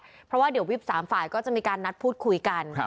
เพราะว่าเดี๋ยววิบ๓ฝ่ายก็จะมีการนัดพูดคุยกัน